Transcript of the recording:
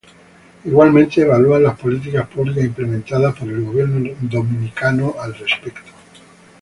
Igualmente evalúan las políticas públicas implementadas por el gobierno dominicano al respecto.